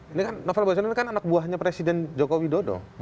ini kan novel baswedan kan anak buahnya presiden joko widodo